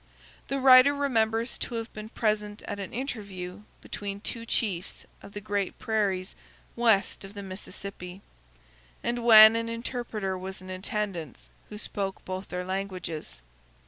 The writer remembers to have been present at an interview between two chiefs of the Great Prairies west of the Mississippi, and when an interpreter was in attendance who spoke both their languages.